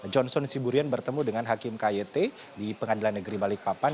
johnson siburian bertemu dengan hakim kyt di pengadilan negeri balikpapan